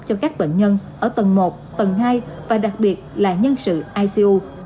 cho các bệnh nhân ở tầng một tầng hai và đặc biệt là nhân sự ico